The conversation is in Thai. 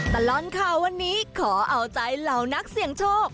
ตลอดข่าววันนี้ขอเอาใจเหล่านักเสี่ยงโชค